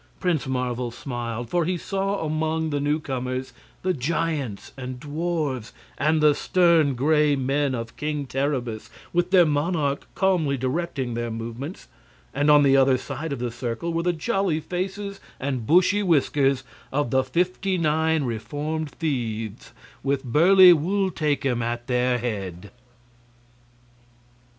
Prince Marvel smiled, for he saw among the new comers the giants and dwarfs and the stern Gray Men of King Terribus, with their monarch calmly directing their movements; and on the other side of the circle were the jolly faces and bushy whiskers of the fifty nine reformed thieves, with burly Wul Takim at their head.